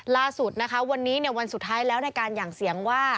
ล่าสุดนะคะวันนี้วันสุดท้ายแล้วในการหั่งเสียงว่า